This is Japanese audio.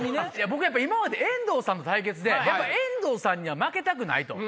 僕今まで遠藤さんとの対決で遠藤さんには負けたくないと。